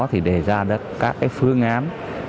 thì đề ra các phương án